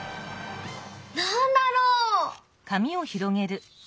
なんだろう？